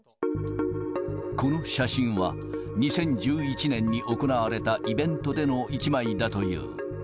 この写真は、２０１１年に行われたイベントでの一枚だという。